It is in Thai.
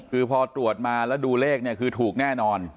คือพอตรวจมาแล้วดูเลขเนี่ยคือถูกแน่นอน